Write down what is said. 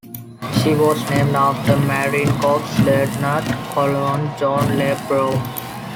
She was named after Marine Corps Lieutenant Colonel John L. Broome.